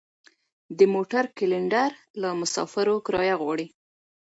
د موټر کلینډر له مسافرو کرایه غواړي.